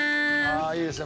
あっいいですね。